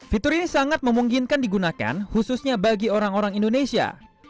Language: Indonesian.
fitur ini sangat memungkinkan digunakan khususnya bagi orang orang indonesia